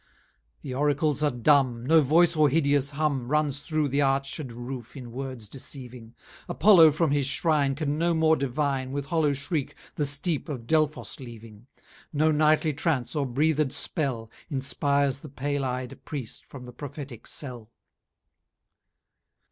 XIX The Oracles are dumm, No voice or hideous humm Runs through the arched roof in words deceiving. Apollo from his shrine Can no more divine, With hollow shreik the steep of Delphos leaving. No nightly trance, or breathed spell, Inspire's the pale ey'd Priest from the prophetic cell.